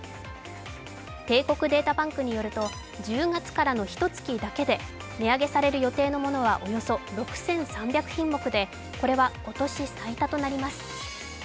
帝国データバンクによると、１０月からのひと月だけで、値上げされる予定のものはおよそ６３００品目で、これは今年最多となります。